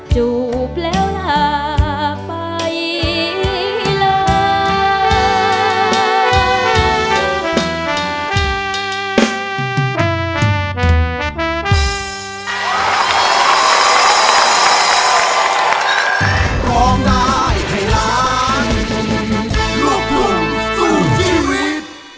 จูบแล้วลาไปเลย